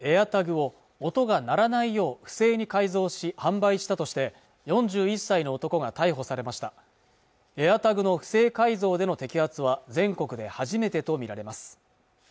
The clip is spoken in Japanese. ＡｉｒＴａｇを音が鳴らないよう不正に改造し販売したとして４１歳の男が逮捕されましたＡｉｒＴａｇの不正改造での摘発は全国で初めてと見られます